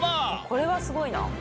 これはすごいな。